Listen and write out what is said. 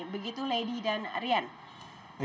begitu lady dan rian